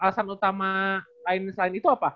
jadi alesan lu utama lain selain itu apa